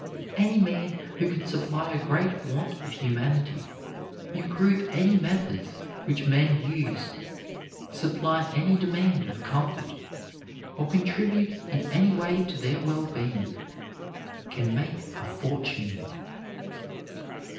Any man who can supply a great want of humanity, improve any methods which men use, supply any demand of comfort, or contribute in any way to their well being, can make a fortune.